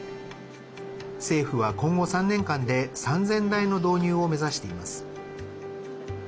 政府は今後３年間で３０００台の導入を目指しています。